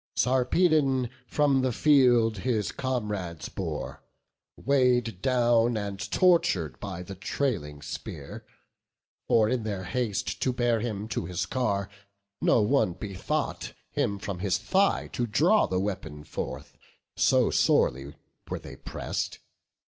Sarpedon from the field his comrades bore, Weigh'd down and tortured by the trailing spear, For, in their haste to bear him to his car, Not one bethought him from his thigh to draw The weapon forth; so sorely were they press'd.